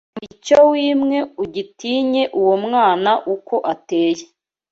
Icyo wimwe ugitinye Uwo mwana uko ateye